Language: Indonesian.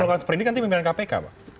melakukan sprinting itu pimpinan kpk